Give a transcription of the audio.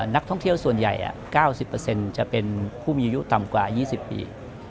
นักท่องเที่ยวส่วนใหญ่๙๐จะเป็นผู้มีอายุต่ำกว่า๒๐ปี